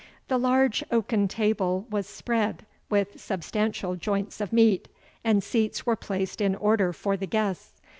The large oaken table was spread with substantial joints of meat, and seats were placed in order for the guests.